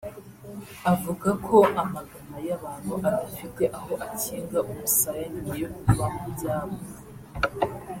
avuga ko amagana y’abantu adafite aho akinga umusaya nyuma yo kuva mu byabo